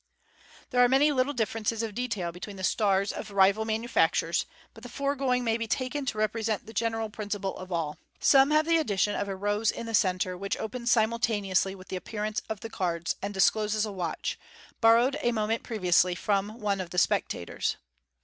There are many little differences of detail between the "stars" of rival manufacturers, but the foregoing may be taken to represent the general principle of all. Some have the addition of a rose in the centre, which opens simultaneously with the appearance of the cards, and discloses a watch, borrowed a moment previously from one of the spectators.